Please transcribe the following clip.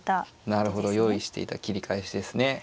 なるほど用意していた切り返しですね。